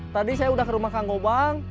tadi saya udah ke rumah kangkobang